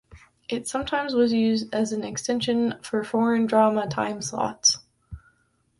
It sometimes was used as an extension for foreign drama time slots.